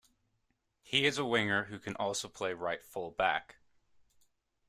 He is a winger who can also play right full-back.